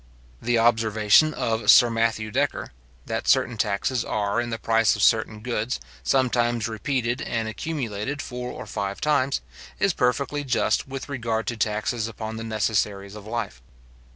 The observation of Sir Matthew Decker, that certain taxes are, in the price of certain goods, sometimes repeated and accumulated four or five times, is perfectly just with regard to taxes upon the necessaries of life.